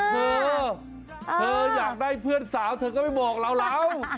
เธอเธออยากได้เพื่อนสาวเธอก็ไม่บอกเรา